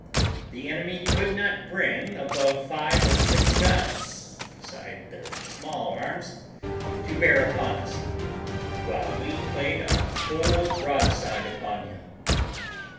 The enemy could not bring above five or six guns, besides their small arms, to bear upon us, while we played our whole broadside upon him.